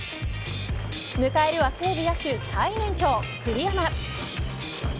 迎えるは西武野手最年長、栗山。